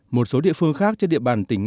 một số địa phương khác trên địa bàn tỉnh